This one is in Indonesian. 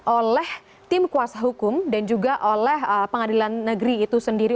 oleh tim kuasa hukum dan juga oleh pengadilan negeri itu sendiri